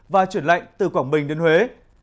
và chuyển lạnh từ quảng bình đến huế